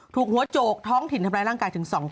ถูกหัวโจกท้องถิ่นทำร้ายร่างกายถึง๒คน